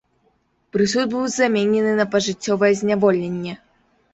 Прысуд быў заменены на пажыццёвае зняволенне.